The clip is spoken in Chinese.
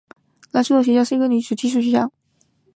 莎拉的学校是间女子寄宿学校。